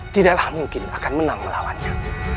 tidaklah mungkin akan menang melawannya